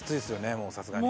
もうさすがに。